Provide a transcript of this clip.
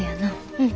うん。